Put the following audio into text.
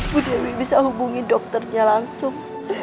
bu dewi bisa hubungi dokternya langsung